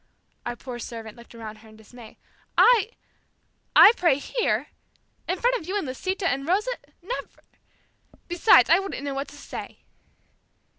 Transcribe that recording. Our poor servant looked around her in dismay. "I ! I pray here! In front of you and Lisita and Rosa! Never ! Besides, I wouldn't know what to say."